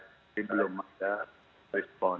tapi belum ada respon